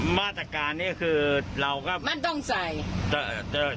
มาตรการนี้คือเราก็ไม่ต้องใส่